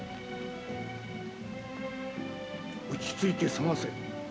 落ち着いて捜せ。